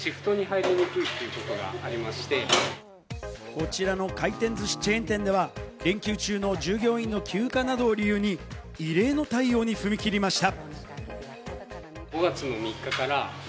こちらの回転ずしチェーン店では、連休中の従業員の休暇などを理由に異例の対応に踏み切りました。